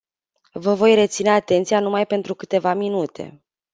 Vă voi reține atenția numai pentru câteva minute.